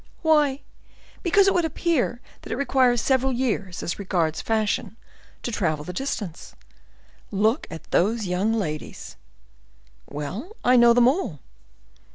"Why, because it would appear that it requires several years, as regards fashion, to travel the distance!—Look at those young ladies!" "Well; I know them all."